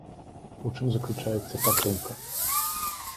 У чым заключаецца падтрымка?